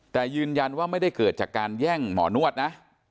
แต่ยืนยันว่าไม่ได้เกิดจากการแย่งหมอนวดนะ